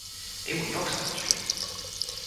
哎，我钥匙哪儿去了？